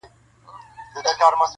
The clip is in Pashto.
یوه ورځ په دې جرګه کي آوازه سوه٫